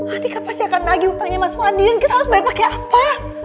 andika pasti akan nagih hutangnya mas wadi dan kita harus bayar pakai apa